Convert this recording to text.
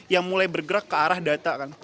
yang mulai bergerak ke arah data kan